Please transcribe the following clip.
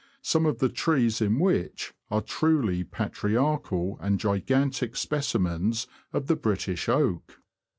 159 some of the trees in which are truly patriarchal and gigantic specimens of the British oak.